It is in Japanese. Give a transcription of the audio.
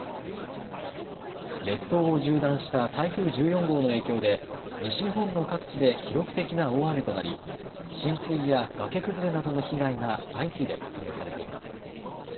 列島を縦断した台風１４号の影響で西日本の各地で記録的な大雨となり浸水や崖崩れなどの被害が相次いで確認されています。